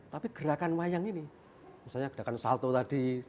tapi gerakan wayang ini misalnya gerakan salto tadi